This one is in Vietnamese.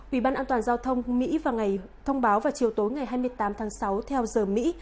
ủy ban an toàn giao thông mỹ vào ngày thông báo vào chiều tối ngày hai mươi tám tháng sáu theo giờ mỹ